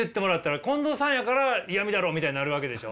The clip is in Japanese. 近藤さんやからイヤミだろうみたいになるわけでしょ。